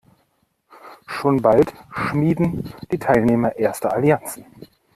Schon bald schmieden die Teilnehmer erste Allianzen.